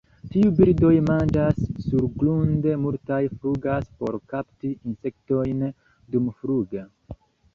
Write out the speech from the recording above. Tiuj birdoj manĝas surgrunde, multaj flugas por kapti insektojn dumfluge.